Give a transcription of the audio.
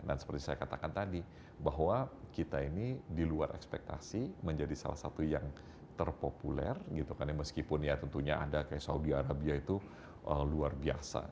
dan seperti saya katakan tadi bahwa kita ini diluar ekspektasi menjadi salah satu yang terpopuler gitu kan ya meskipun ya tentunya ada kayak saudi arabia itu luar biasa